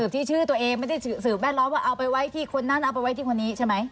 ที่ชื่อตัวเองไม่ได้สืบแวดล้อมว่าเอาไปไว้ที่คนนั้นเอาไปไว้ที่คนนี้ใช่ไหม